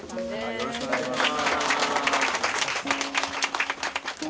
よろしくお願いします。